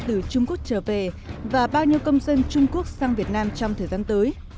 từ trung quốc trở về và bao nhiêu công dân trung quốc sang việt nam trong thời gian tới